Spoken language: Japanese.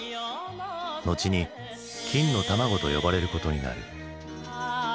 後に金の卵と呼ばれることになる。